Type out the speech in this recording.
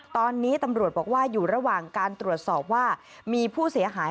ตอนนี้ตำรวจบอกว่าอยู่ระหว่างการตรวจสอบว่ามีผู้เสียหาย